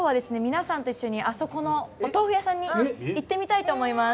皆さんと一緒にあそこのお豆腐屋さんに行ってみたいと思います。